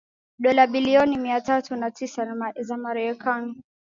dola bilioni mia tatu na tisa za marekani